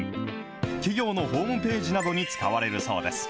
企業のホームページなどに使われるそうです。